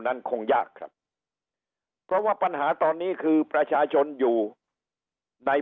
นั้นคงยากครับเพราะว่าปัญหาตอนนี้คือประชาชนอยู่ใน